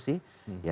sama saja jiar